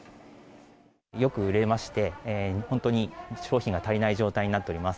よく売れまして、本当に商品が足りない状態になっております。